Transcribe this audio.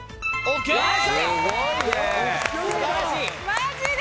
マジで！？